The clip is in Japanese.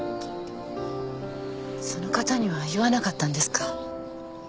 その方には言わなかったんですか？